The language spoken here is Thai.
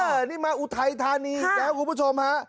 เออนี้มาอุทัยธานีแล้วคุณผู้ชมฮะ